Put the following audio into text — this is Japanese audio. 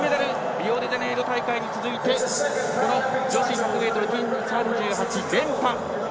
リオデジャネイロ大会に続いてこの女子の１００ｍＴ３８連覇。